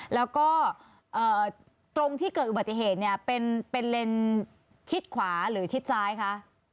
แล้วก็ตรงที่เกิดอุบัติเหตุเนี่ยเป็นเลนชิดขวาหรือชิดซ้ายคะ